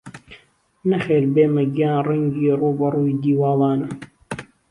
نەخێر بێمە گیاڕەنگی ڕووبەڕووی دیواڵانە